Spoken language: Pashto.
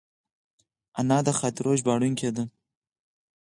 انا د خاطرو ژباړونکې ده